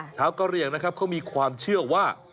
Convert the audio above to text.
กะเหลี่ยงนะครับเขามีความเชื่อว่า